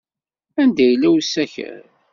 Anda yella usakal?